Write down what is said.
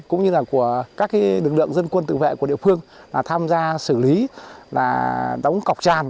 cũng như các lực lượng dân quân tự vệ của địa phương tham gia xử lý đóng cọc tràn